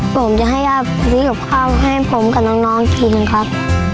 ผมจะให้ย่าซื้อกับข้าวให้ผมกับน้องกินครับ